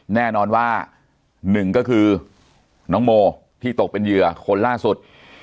แน่นอนว่าหนึ่งก็คือน้องโมที่ตกเป็นเหยื่อคนล่าสุด